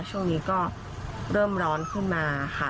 ช่วงนี้ก็เริ่มร้อนขึ้นมาค่ะ